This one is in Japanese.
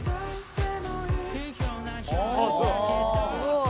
すごい。